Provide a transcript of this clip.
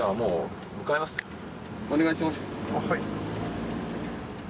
はい。